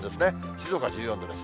静岡１４度です。